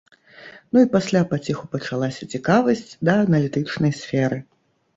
Ну і пасля паціху пачалася цікавасць да аналітычнай сферы.